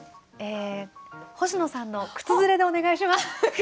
星野さんの靴ずれでお願いします。